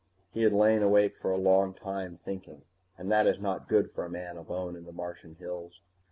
He had lain awake for a long time, thinking, and that is not good for a man alone in the Martian hills.